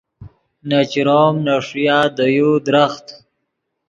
نے چروم نے ݰویا دے یو درخت